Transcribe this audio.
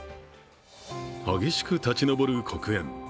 激しく立ち上る黒煙。